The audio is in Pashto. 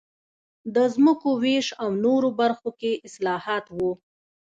د ځمکو وېش او نورو برخو کې اصلاحات و